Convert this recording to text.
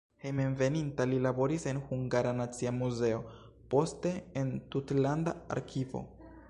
Hejmenveninta li laboris en Hungara Nacia Muzeo, poste en tutlanda arkivo.